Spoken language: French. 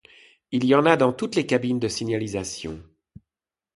Il y en a dans toutes les cabines de signalisation.